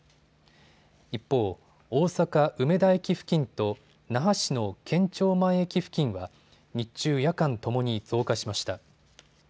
一方、大阪梅田駅付近と那覇市の県庁前駅付近は日中・夜間ともに増加しました。